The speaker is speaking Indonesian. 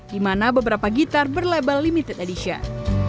dimana beberapa gitar berlabel limited edition